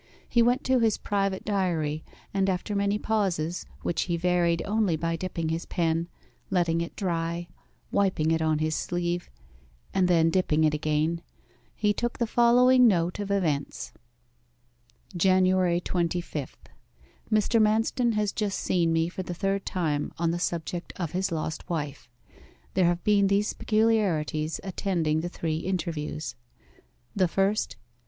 He went to his private diary, and after many pauses, which he varied only by dipping his pen, letting it dry, wiping it on his sleeve, and then dipping it again, he took the following note of events: 'January 25. Mr. Manston has just seen me for the third time on the subject of his lost wife. There have been these peculiarities attending the three interviews: 'The first.